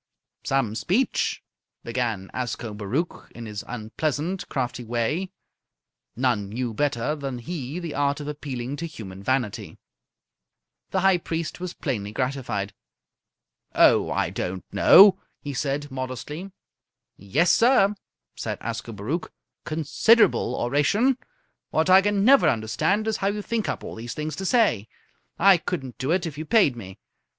"Some speech!" began Ascobaruch in his unpleasant, crafty way. None knew better than he the art of appealing to human vanity. The High Priest was plainly gratified. "Oh, I don't know," he said, modestly. "Yessir!" said Ascobaruch. "Considerable oration! What I can never understand is how you think up all these things to say. I couldn't do it if you paid me.